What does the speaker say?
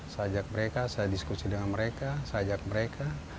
saya ajak mereka saya diskusi dengan mereka saya ajak mereka